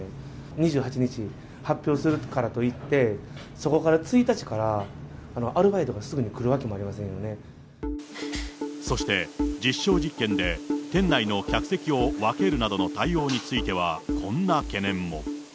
２８日、発表するからといって、そこから１日から、アルバイトがすぐに来そして、実証実験で店内の客席を分けるなどの対応については、こんな懸念も。